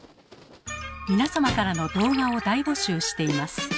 皆様の動画を大募集しています。